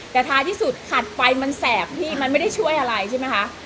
แต่ท้ายที่สุดขัดไฟมันแสบพี่มันไม่ได้ช่วยอะไรใช่ไหมคะ